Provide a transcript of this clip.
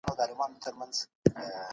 افغاني قالینې په نړۍ کي شهرت لري.